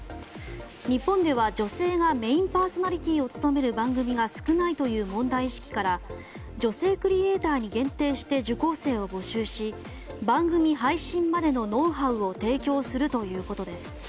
日本では女性がメインパーソナリティーを務める番組が少ないという問題意識から女性クリエーターに限定して受講栄を募集し番組配信までのノウハウを提供するということです。